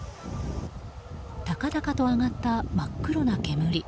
高々と上がった真っ黒な煙。